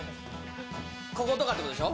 こことかってことでしょ？